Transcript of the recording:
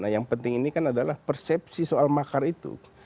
nah yang penting ini kan adalah persepsi soal makar itu